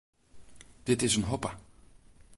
Dit is in hoppe.